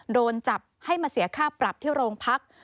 โดนจับให้มาเสียค่าปรับที่โรงพัก